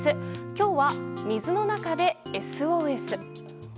今日は水の中でＳＯＳ。